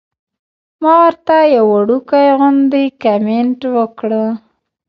ما ورته يو وړوکے غوندې کمنټ وکړۀ -